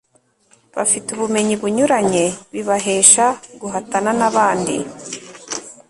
bafite ubumenyi bunyuranye bibahesha guhatana n'abandi